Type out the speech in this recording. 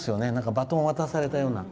バトンを渡されたような。